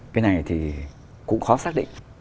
cái này thì cũng khó xác định